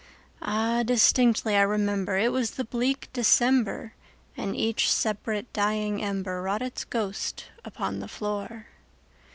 Ah, distinctly I remember it was in the bleak DecemberAnd each separate dying ember wrought its ghost upon the floor.